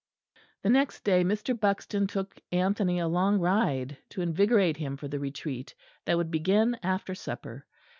The next day Mr. Buxton took Anthony a long ride, to invigorate him for the Retreat that would begin after supper.